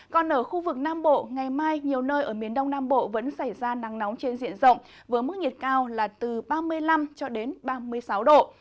còn ở khu vực nam bộ ngày mai nhiều nơi ở miền đông nam bộ vẫn xảy ra nắng nóng trên diện rộng với mức nhiệt cao là từ ba mươi năm ba mươi sáu độ